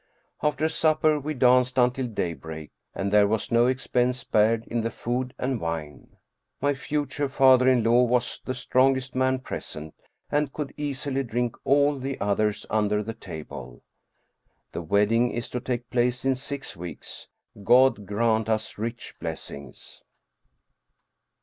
After supper we danced until day break and there was no expense spared in the food and wine. My future father in law was the strongest man present, and could easily drink all the others under the table. The wedding is to take place in six weeks. God grant us rich blessings.